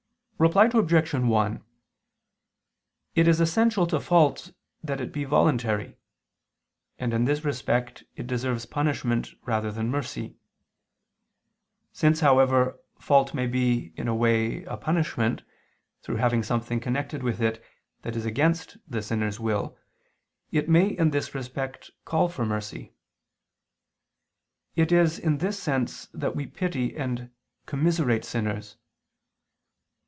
Reply Obj. 1: It is essential to fault that it be voluntary; and in this respect it deserves punishment rather than mercy. Since, however, fault may be, in a way, a punishment, through having something connected with it that is against the sinner's will, it may, in this respect, call for mercy. It is in this sense that we pity and commiserate sinners.